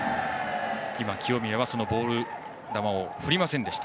清宮はそのボール球を振りませんでした。